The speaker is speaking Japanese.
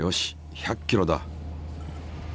１００キロだ。